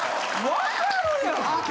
分かるやん！